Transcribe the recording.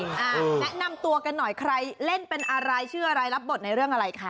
แนะนำตัวกันหน่อยใครเล่นเป็นอะไรชื่ออะไรรับบทในเรื่องอะไรคะ